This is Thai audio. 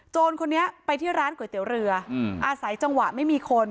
คนนี้ไปที่ร้านก๋วยเตี๋ยวเรืออาศัยจังหวะไม่มีคน